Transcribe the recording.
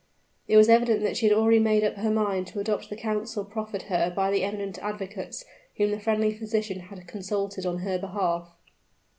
It was evident that she had already made up her mind to adopt the counsel proffered her by the eminent advocates whom the friendly physician had consulted on her behalf.